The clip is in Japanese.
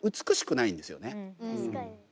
確かに。